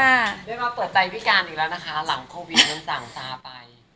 ได้มาเปิดใจวิคารณ์แล้วนะคะหลังโควิดเป็นสั่งปาย